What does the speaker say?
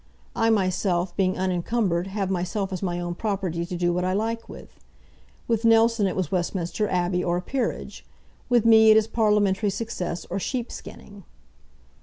I myself, being unencumbered, have myself as my own property to do what I like with. With Nelson it was Westminster Abbey or a peerage. With me it is parliamentary success or sheep skinning."